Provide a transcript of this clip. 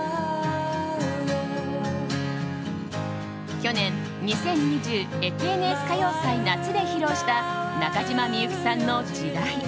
去年「２０２０ＦＮＳ歌謡祭夏」で披露した中島みゆきさんの「時代」。